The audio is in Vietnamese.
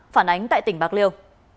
phản ánh tại tỉnh bạc liêu